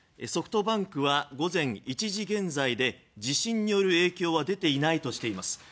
ソフトバンクは午前１時現在で地震による影響は出ていないとしています。